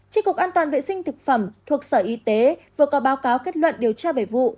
trên cục an toàn vệ sinh thực phẩm thuộc sở y tế vừa có báo cáo kết luận điều tra về vụ